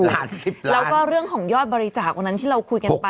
แล้วก็เรื่องของยอดบริจาควันนั้นที่เราคุยกันไป